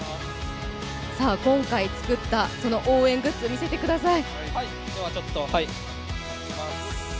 今回、作った、その応援グッズ見せてください。